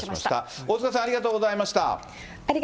大塚さん、ありがとうございました。